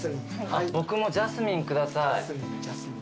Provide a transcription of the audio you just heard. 僕もジャスミン下さい。